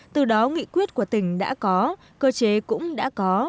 từ đó nghị quyết của tỉnh đã có cơ chế cũng đã có